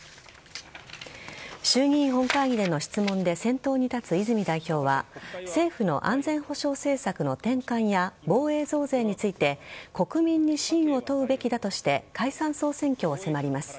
衆議院本会議での質問で先頭に立つ泉代表は政府の安全保障政策の転換や防衛増税について国民に信を問うべきだとして解散総選挙を迫ります。